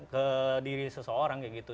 ke diri seseorang kayak gitu